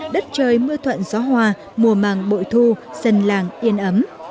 đất trời mưa thuận gió hòa mùa màng bội thu dân làng yên ấm